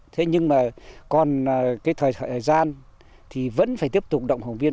thế nhưng mà còn cái thời gian thì vẫn phải tiếp tục động hồng viên